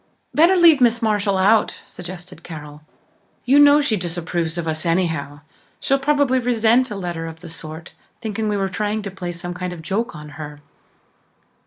"Better leave Miss Marshall out," suggested Carol. "You know she disapproves of us anyhow. She'd probably resent a letter of the sort, thinking we were trying to play some kind of joke on her."